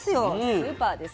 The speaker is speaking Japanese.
スーパーです。